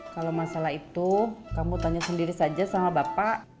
kalau masalah itu kamu tanya sendiri saja sama bapak